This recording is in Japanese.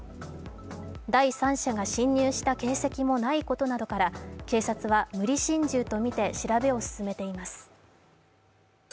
第三者が侵入した形跡もないことから警察は無理心中とみて調べを進めています。